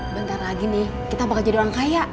bentar lagi nih kita bakal jadi orang kaya